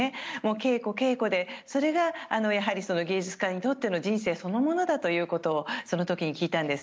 稽古、稽古でそれが芸術家にとっての人生そのものだということをその時に聞いたんです。